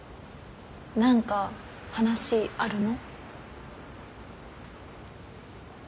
何か話あるの？